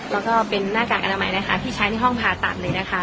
แล้วก็เป็นหน้ากากอนามัยนะคะที่ใช้ในห้องผ่าตัดเลยนะคะ